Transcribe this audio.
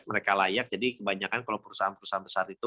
mereka layak jadi kebanyakan kalau perusahaan perusahaan besar itu